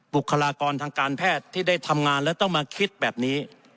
บุคลากรทางการแพทย์ที่ได้ทำงานแล้วต้องมาคิดแบบนี้